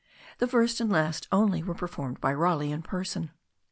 The first and last only were performed by Raleigh in person.